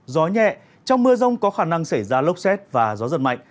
gió nhẹ trong mưa rông có khả năng xảy ra lốc xét và gió giật mạnh